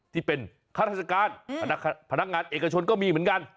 ที่เป็นข้าราชการพนักงานเอกชนก็มีเหมือนกัน